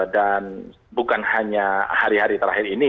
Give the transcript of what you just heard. dan bukan hanya hari hari terakhir ini